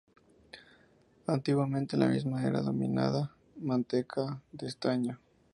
Antiguamente la misma era denominada "manteca de estaño".